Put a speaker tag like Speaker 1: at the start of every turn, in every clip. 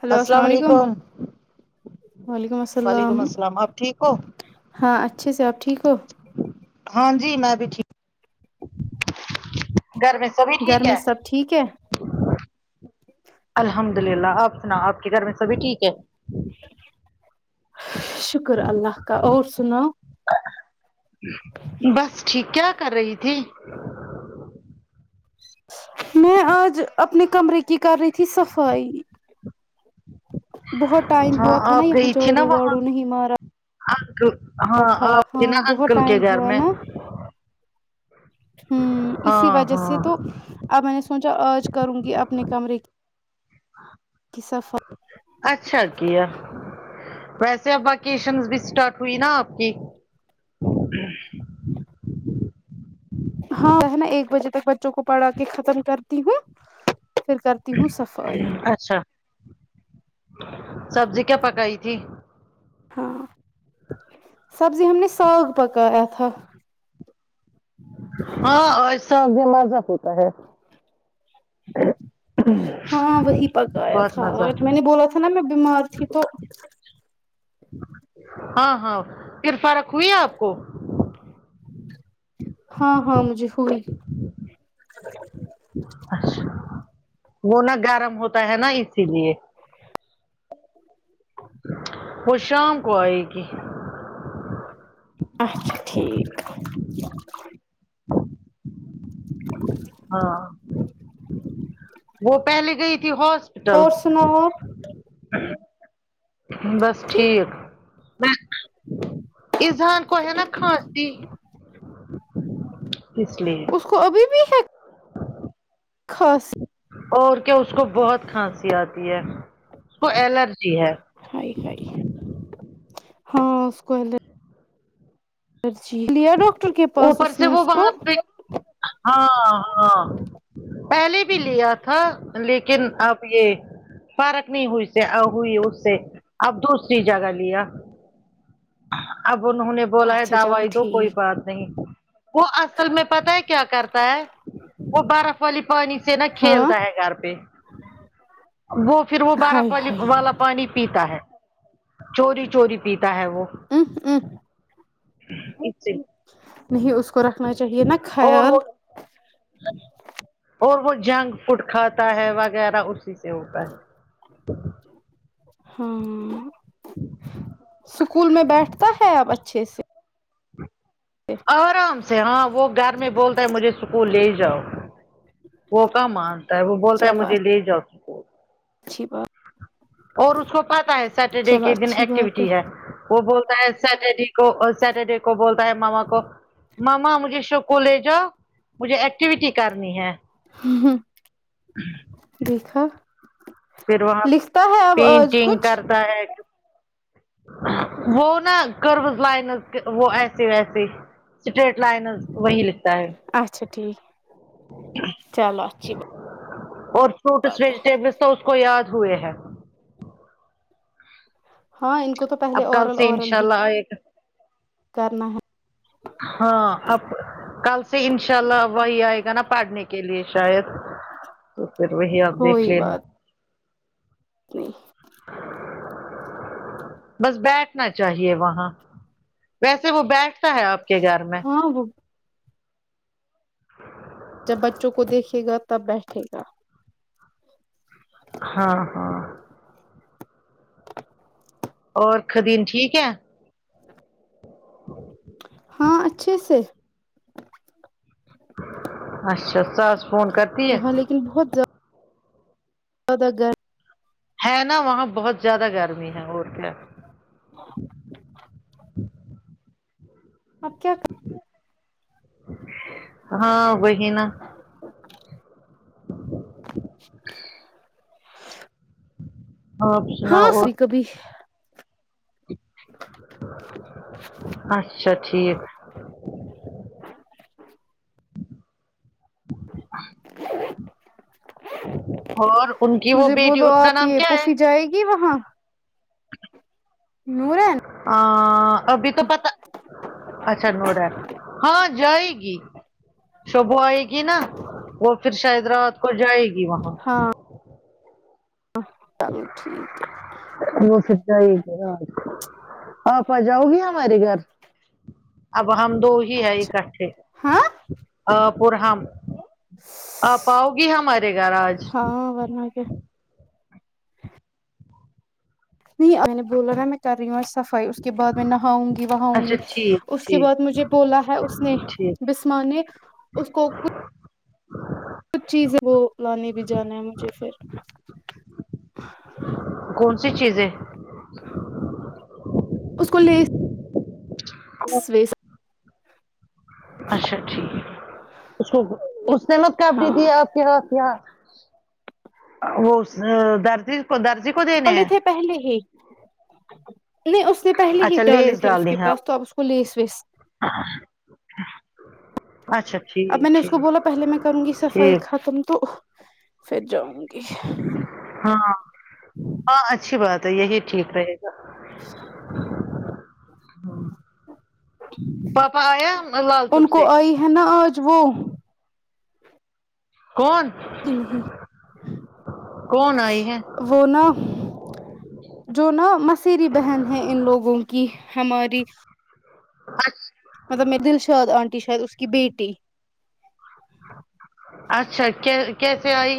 Speaker 1: hello السلام علیکم وعلیکم السلام
Speaker 2: وعلیکم السلام آپ ٹھیک ہو
Speaker 1: ہاں اچھے سے آپ ٹھیک ہو
Speaker 2: ہاں جی میں بھی ٹھیک گھر میں سبھی
Speaker 1: گھر
Speaker 2: ٹھیک
Speaker 1: میں
Speaker 2: ہے
Speaker 1: سب ٹھیک ہے
Speaker 2: الحمد للہ آپ سنا آپ کے گھر میں سبھی ٹھیک ہے
Speaker 1: شکر ہے اللہ کا اور سناؤ
Speaker 2: بس ٹھیک کیا کر رہی تھی
Speaker 1: میں آج اپنے کمرے کی کر رہی تھی صفائی بہت ٹائم
Speaker 2: ہاں
Speaker 1: ہوا تھا نا
Speaker 2: آپ
Speaker 1: یہاں
Speaker 2: گئی تھی نا
Speaker 1: جڑو
Speaker 2: وہاں
Speaker 1: واڑو نہیں مارا
Speaker 2: انکل ہاں
Speaker 1: تھا
Speaker 2: آپ کے نا
Speaker 1: ہاں بہت
Speaker 2: انکل کے
Speaker 1: ٹائم
Speaker 2: گھر
Speaker 1: ہوا
Speaker 2: میں
Speaker 1: ہمم اسی
Speaker 2: ہاں
Speaker 1: وجے سے
Speaker 2: ہاں
Speaker 1: تو اب میں نے سوچا آج کروں گی اپنے کمرے کی صفائی
Speaker 2: اچھا کیا ویسے اب ویکیشن بھی اسٹارٹ ہوئی نا آپ کی
Speaker 1: ہاں نا ایک بجے تک بچوں کو پڑھا کے ختم کرتی ہوں پھر کرتی ہوں صفائی
Speaker 2: اچھا سبزی کیا پکائی تھی
Speaker 1: ہاں سبزی ہم نے ساگ پکایا تھا
Speaker 2: ہاں ایسا بھی مزہ ہوتا ہے
Speaker 1: ہاں وہی پکایا
Speaker 2: بہت
Speaker 1: تھا
Speaker 2: مزہ
Speaker 1: آج میں نے بولا نا میں بیمار تھی تو
Speaker 2: ہاں ہاں پھر فارق ہوئی آپ کو
Speaker 1: ہاں ہاں مجھے ہوئی
Speaker 2: جی
Speaker 1: ا [inaudible]
Speaker 2: وہ نہ گرم ہوتا ہے نا اسی لیے وہ شام کو آئے گی
Speaker 1: اچھا ٹھیک
Speaker 2: ہاں وہ پہلے گئی تھی ہاسپٹل
Speaker 1: اور سناؤ آپ
Speaker 2: بس
Speaker 1: کی
Speaker 2: ٹھیکس اذان کو ہے نا کھانسیسی اس لیے
Speaker 1: کبھی بھی ہے خاص
Speaker 2: اور کیا اس کو بہت کھانسی آتی ہے اس کو الرجی ہے
Speaker 1: ہائی ہائی ہاں اس کو الرجی لیا ڈاکٹر کے پاس
Speaker 2: اوپر
Speaker 1: اس
Speaker 2: سے
Speaker 1: نے
Speaker 2: وہ
Speaker 1: اس کو
Speaker 2: وہاں پہ ہاں ہاں پہلے بھی لیا تھا لیکن اب یہ فرق نہیں ہوئی سے ہوئی اس سے اب دوسری جگہ لیا اب انہوں نے بولا ہے
Speaker 1: اچھا چلو
Speaker 2: دعوائی دو کوئی
Speaker 1: ٹھیک
Speaker 2: بات نہیں وہ اصل میں پتا ہے کیا کرتا ہے وہ برف والی پانی سے نا
Speaker 1: ہاں
Speaker 2: کھیلتا ہے گھر پہ وہ پھر وہ بارف
Speaker 1: ہائی
Speaker 2: پی
Speaker 1: ہائی
Speaker 2: والا پانی پیتا ہے چوری چوری پیتا ہے وہ
Speaker 1: [inaudible]
Speaker 2: اس سے
Speaker 1: نہیں اس کو رکھنا چاہیے نا
Speaker 2: اور
Speaker 1: خیال
Speaker 2: وہ اور وہ جنگ فوڈ کھاتا ہے وغیرہ اسی سے ہوتا ہے
Speaker 1: ہاں اسکول میں بیٹھتا ہے آپ اچھے سے
Speaker 2: آرام سے ہاں وہ گھر میں بولتا ہے مجھے اسکول لے جاؤ وہ کا مانتا ہے وہ بولتا ہے
Speaker 1: چلو
Speaker 2: مجھے لے جاو
Speaker 1: اچھی بات
Speaker 2: اور اس کو پتا ہے سیٹرڈے
Speaker 1: چلو
Speaker 2: کے دن
Speaker 1: اچھی بات
Speaker 2: ایکٹیویٹی ہے وہ بولتا ہے سیٹرڈے کو اور سیٹرڈے کو بولتا ہے ماما کو ماما مجھے اسکول لے جاؤ مجھے ایکٹیویٹی کرنی ہے
Speaker 1: دیکھا
Speaker 2: پھر وہاں
Speaker 1: لکھتا ہے اب آج
Speaker 2: پینٹنگ
Speaker 1: کچھ
Speaker 2: [inaudible] وہ نا کروز لائنز وہ ایسیے ایسیے اسٹریٹ لائنز وہی لکھتا ہے
Speaker 1: اچھا ٹھیک چلو اچھی بات
Speaker 2: اور فروٹس
Speaker 1: ہے
Speaker 2: ویجیٹیبلس تو اس کو یاد ہوئے ہیں
Speaker 1: ہاں ان کو تو پہلے
Speaker 2: اب کل
Speaker 1: اورل
Speaker 2: سے
Speaker 1: اورل
Speaker 2: انشاء
Speaker 1: ہی
Speaker 2: اللہ آئے گا
Speaker 1: کرنا ہے
Speaker 2: ہاں آپ کل سے انشاء اللہ وہی آئے گا نا پڑھنے کے لیے شاید تو پھر وہی آپ دیکھ
Speaker 1: کوئی
Speaker 2: لینا
Speaker 1: بات نہیں
Speaker 2: بس بیٹھنا چاہیے وہاں ویسے وہ بیٹھتا ہے آپ کے گھر میں
Speaker 1: ہاں وہ جب بچوں کو دیکھے گا تب بیٹھے گا
Speaker 2: ہاں ہاں اور خدیین ٹھیک ہے
Speaker 1: ہاں اچھے سے
Speaker 2: اچھا ساس فون کرتی ہے
Speaker 1: [unintelligible] [unintelligible]
Speaker 2: ہے نا وہاں بہت زیادہ گرمی ہے اور کیا
Speaker 1: اپ کیا
Speaker 2: ہاں وہی نا آپ
Speaker 1: ہاں
Speaker 2: سناؤ اور
Speaker 1: سی کبھی
Speaker 2: اچھا ٹھیک اور ان کی وہ
Speaker 1: مجھے
Speaker 2: بیٹی
Speaker 1: بولو
Speaker 2: اس کا
Speaker 1: آپ
Speaker 2: نام
Speaker 1: یہ
Speaker 2: کیا ہے
Speaker 1: پوفی جائے گی وہاں نورن
Speaker 2: ا ابھی تو پتہ اچھا تو ہا ہاں جائے گی شوبو آئے گی نا وہ پھر شاید رات کو جائے گی وہاں
Speaker 1: ہاں چلو ٹھیک ہے
Speaker 2: وہ پھر جائ [unintelligible] ے گی آپ آ جاؤ گی ہمارے گھر اب ہم دو ہی ہے ا کٹھے
Speaker 1: ہاں
Speaker 2: اپ اور ہم آپ آؤ گی ہمارے گھر آج
Speaker 1: ہاں ورنا کیا نہیں میں نے بولا نا میں کر رہی ہوں صفائی اس کے بد میں نہاؤں گی وہاں آؤں
Speaker 2: اچھا
Speaker 1: گی
Speaker 2: ٹھیک
Speaker 1: اس کے
Speaker 2: ٹھیک
Speaker 1: بعد مجھے بولا ہے اس نے
Speaker 2: ٹھیک
Speaker 1: بسما نے اس کو کچھ کچھ چیزیں وہ لانے بھی جانا ہے مجھے پھر
Speaker 2: کون سی چیزیں
Speaker 1: اسکول [unintelligible]
Speaker 2: اچھا ٹھیک ہے اس کو اس نے مت کپڑے
Speaker 1: ہاں
Speaker 2: دی آپ کیا کیا وہ درجی کو درجی کو دینے
Speaker 1: ڈالے
Speaker 2: ہیں
Speaker 1: تھے پہلے ہی نہیں اس نے پہلے ہی
Speaker 2: اچھا
Speaker 1: ڈالے
Speaker 2: لیس
Speaker 1: تھے اس کے
Speaker 2: ڈالنی ہے
Speaker 1: پاس تو آپ اس کو لیس ویس
Speaker 2: اچھا
Speaker 1: اب میں
Speaker 2: ٹھیک
Speaker 1: نے اس کو بولا
Speaker 2: ٹھیک
Speaker 1: پہلے میں کروں گی صفائی
Speaker 2: ٹھیک
Speaker 1: ختم تو پھر جاؤں گی
Speaker 2: ہاں ہاں اچھی بات ہے یہی ٹھیک رہے گا پاپا آیا لال
Speaker 1: ان
Speaker 2: چوک
Speaker 1: کو
Speaker 2: سے
Speaker 1: آئی ہے نا آج وہ
Speaker 2: کون
Speaker 1: نہیں
Speaker 2: کون آئی ہے
Speaker 1: وہ نا جو نا مسیری بہن ہے ان لوگوں کی ہماری
Speaker 2: اچھا
Speaker 1: مطلب میں دلشاد آنٹی شاید اس کی بیٹی
Speaker 2: اچھا کیسے آئی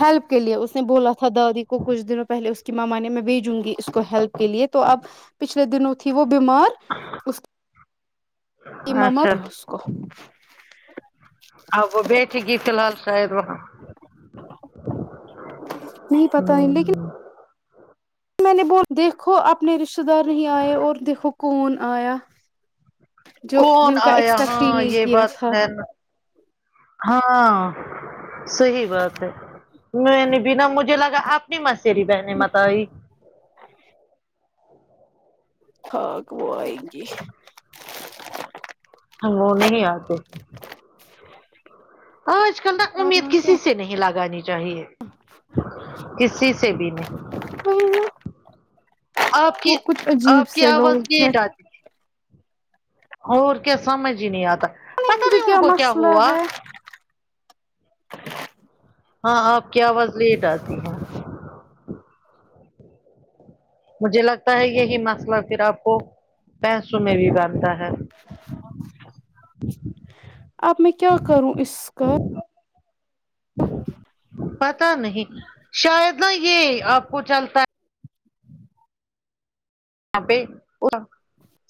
Speaker 1: ہیلپ کے لیے اس نے بولا تھا دادی کو کچھ دنوں پہلے اس کی ماما نے میں بھیجوں گی اس کو ہیلپ کے لیے تو اب پیچھلے دنوں تھی وہ بیمار اس
Speaker 2: اچھا
Speaker 1: [unintelligible]
Speaker 2: اب وہ بیٹھے گی فی الحال شاید وہاں
Speaker 1: نہیں پتا لیکن میں نے اب دیکھو اپنے رشتے دار نہیں آئے اور دیکھو کون آیا جو
Speaker 2: کون
Speaker 1: جن کا
Speaker 2: آیا
Speaker 1: ایکسپیکٹ ہی
Speaker 2: ہاں
Speaker 1: نہیں
Speaker 2: یہ
Speaker 1: کیا
Speaker 2: بات تو
Speaker 1: تھا
Speaker 2: ہے نا ہاں صیح بات میں نے بنا مجھے لگا اپنی مسری بہنے متائی
Speaker 1: ہاں کو وہ آئیں گی
Speaker 2: ہم وہ نہیں آتے آج کل نا امید
Speaker 1: ورنہ کیا
Speaker 2: کسی سے نہیں لگانی چاہیے کسی سے بھی نہیں
Speaker 1: وہی نا
Speaker 2: آپ کی
Speaker 1: وہ کچھ عجیب
Speaker 2: آپ کی
Speaker 1: سے لوگ
Speaker 2: آواز
Speaker 1: ہیں
Speaker 2: لیٹ آتی اور کیا سمجھ ہی نہیں آتا پتا
Speaker 1: مجھے
Speaker 2: نہیں ان کو کیا
Speaker 1: مسئلہ
Speaker 2: ہوا
Speaker 1: ہے
Speaker 2: ہاں آپ کی آواز لیٹ آتی ہے مجھے لگتا ہے یہی مسئلہ پھر آپ کو پیسوں میں بھی بنتا ہے
Speaker 1: اب میں کیا کروں اس کا
Speaker 2: پتا نہیں شاید نا یہ آپ کو چلتا ہے یہاں پہ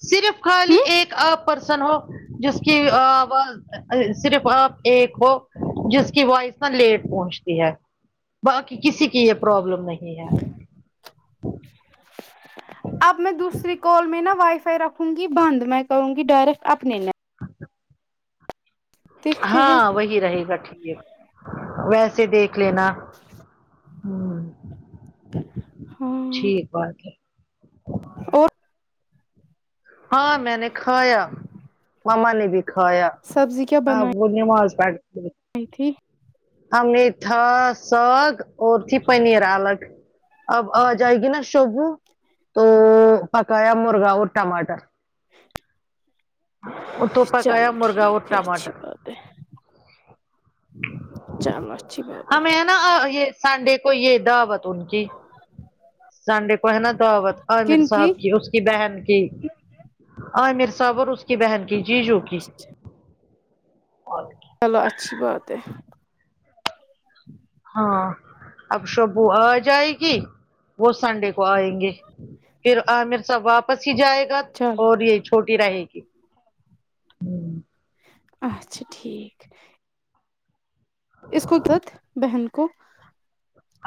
Speaker 2: صرف خالی
Speaker 1: ہوں
Speaker 2: ایک آپ پرسن ہو جس کہ صرف آپ ایک ہو جس کی وائس نا لیٹ پہنچتی ہے باقی کسی کی یہ پرابلم نہیں ہے
Speaker 1: اب میں دوسری کال میں نا وائی فائی رکھ رکھوں گی بند میں کہوں گی ڈائریکٹ اپنے نے دیکھتے ہیں
Speaker 2: ہاں وہی رہے گا ٹھیک ویسے دیکھ لینا
Speaker 1: ہاں
Speaker 2: ٹھیک بات ہے
Speaker 1: اور
Speaker 2: ہاں میں نے کھایا ماما نے بھی کھایا وہ نماز پیھ
Speaker 1: ائے تھی
Speaker 2: ہم نے تھا ساگ اور تھی پنیر الگ اب آ جائے گی نا شبو تو پکایا مرغا اور ٹماٹر توپکایا
Speaker 1: چلو
Speaker 2: مرغا اور
Speaker 1: ٹھیک ہے
Speaker 2: ٹماٹر
Speaker 1: اچھی بات ہے چلو اچھی بات
Speaker 2: ہمیں ہے نا یہ سنڈے کو یہ دعوت ان کی سانڈے کو ہے نا دعوت عامر صاحب کی اس بہن کی عامر صاحب اور اس کی بہن کی جی جو
Speaker 1: چلو اچھی بات ہے
Speaker 2: ہاں اب شبو آ جائے گی وہ سنڈے کو آئیں گے پھر عامر صاب واپس ہی جائے گا
Speaker 1: چلو
Speaker 2: اور یے چھوٹی رہے گی
Speaker 1: اچھا ٹھیک اس کو تت بہن کو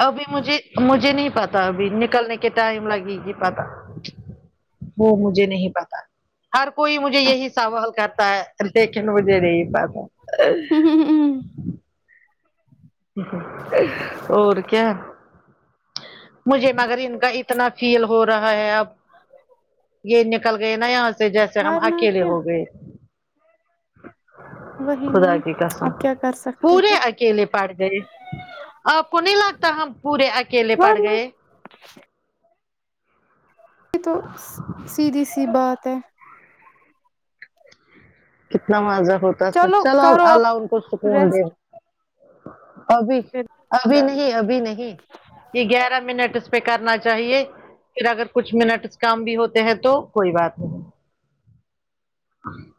Speaker 2: ابھی مجھے مجھے نہیں پتا ابھی نکلنے کے ٹائم لگے گی پتا وہ مجھے نہیں پتا ہر کوئی مجھے یہی سوال کرتا ہے لیکن مجھے نہیں پتا
Speaker 1: ہوں
Speaker 2: اور کیا مجھے مگر ان کا اتنا فیل ہو رہا ہے اب یہ نکل گئے نا یہاں سے جیسے ہم
Speaker 1: ورنہ
Speaker 2: اکیلے
Speaker 1: کیا
Speaker 2: ہو گئے
Speaker 1: وہی نا
Speaker 2: خدا کی قسم
Speaker 1: آپ کیا کر سکتے
Speaker 2: پورے
Speaker 1: ہیں
Speaker 2: اکیلے پڑ گئے آپ کو نہیں لگتا ہم پورے اکیلے پڑ
Speaker 1: ورنہ
Speaker 2: گئے
Speaker 1: یے تو سیدھی سی بات ہے
Speaker 2: کتنا مزہ ہوتا فر چلو اب
Speaker 1: کرو
Speaker 2: اللہ ان کو
Speaker 1: آپ
Speaker 2: سکون دے
Speaker 1: ریسٹ
Speaker 2: ابھی
Speaker 1: پھر
Speaker 2: ابھی
Speaker 1: چلو
Speaker 2: نہیں ابھی نہیں یے گیارہ منٹ اس پے کرنا چاہیے پھر اگر کچھ منٹس کام بھی ہوتے ہیں تو کوئی بات نہیں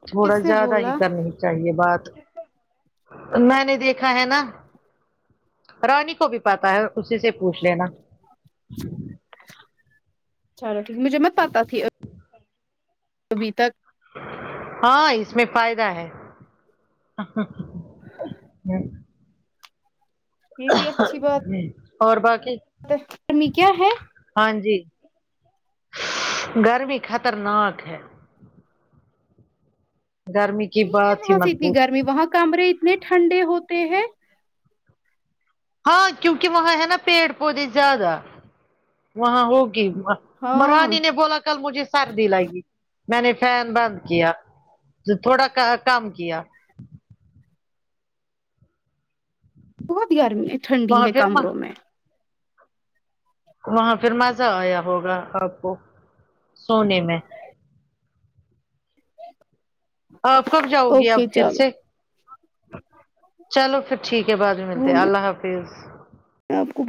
Speaker 2: تھوڑا
Speaker 1: کس نے
Speaker 2: زیادہ ہی
Speaker 1: بولا
Speaker 2: کرنے چاہیے بات میں نے دیکھا ہے نا رانی کو بھی پتا ہے اسی سے پوچھ لینا
Speaker 1: چلو ٹھیک مجھے مت پاتا تھی ابھی تک
Speaker 2: ہاں اس میں فائدہ ہے
Speaker 1: یہ بھی اچھی بات
Speaker 2: اور باکی
Speaker 1: ہے گرمی کیا ہے
Speaker 2: ہاں جی گرمی خطرناک ہے گرمی کی
Speaker 1: نہیں ہے
Speaker 2: بات ہی
Speaker 1: وہاں سے
Speaker 2: مت
Speaker 1: اتنی
Speaker 2: پوچھو
Speaker 1: گرمی وہاں کمرے اتنے ٹھنڈے ہوتے ہیں
Speaker 2: ہاں کیونکی وہاں ہے نا پیڑ پودے زیادہ وہاں ہوگی
Speaker 1: ہاں
Speaker 2: برانی نے بولا کل مجھے سردی لگی میں نے فین بند کیا تھوڑا کم کیا
Speaker 1: بہت گرمی ہے ٹھنڈی
Speaker 2: وہاں
Speaker 1: ہے
Speaker 2: پھر
Speaker 1: کمروں میں
Speaker 2: وہاں پھر مزہ آیا ہوگا آپ کو سونے میں آپ کب جاؤ گی اب
Speaker 1: اوکے
Speaker 2: پھر
Speaker 1: چلو
Speaker 2: سے چلو پھر ٹھیک ہے بعد میں
Speaker 1: وہ
Speaker 2: ملتے اللہ حافظ
Speaker 1: میں آپ کو بہت